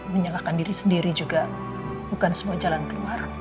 menyalahkan diri sendiri juga bukan sebuah jalan keluar